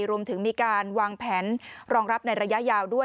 รวมถึงมีการวางแผนรองรับในระยะยาวด้วย